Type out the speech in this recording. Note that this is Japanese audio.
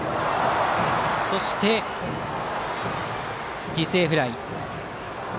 そして犠牲フライ。